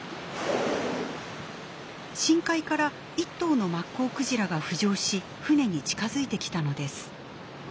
深海から１頭のマッコウクジラが浮上し船に近づいてきたのです。